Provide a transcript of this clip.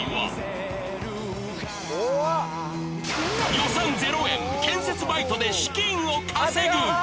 予算０円、建設バイトで資金を稼ぐ。